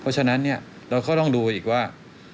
เพราะฉะนั้นเราก็ต้องดูอีกว่า